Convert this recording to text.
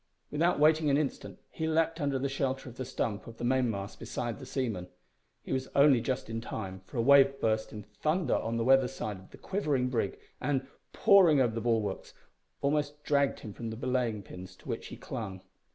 Without waiting an instant he leaped under the shelter of the stump of the mainmast beside the seaman. He was only just in time, for a wave burst in thunder on the weather side of the quivering brig, and, pouring over the bulwarks, almost dragged him from the belaying pins to which he clung.